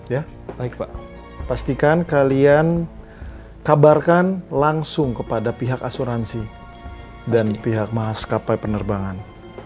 ya baik pak pastikan kalian kabarkan langsung kepada pihak asuransi dan pihak maskapai penerbangan